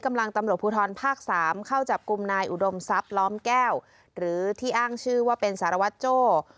ตำรวจภูทรภาค๓เข้าจับกลุ่มนายอุดมทรัพย์ล้อมแก้วหรือที่อ้างชื่อว่าเป็นสารวัตรโจ้